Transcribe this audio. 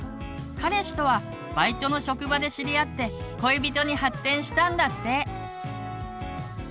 彼氏とはバイトの職場で知り合って恋人に発展したんだって。